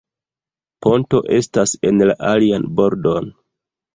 Ponto estas en la alian bordon.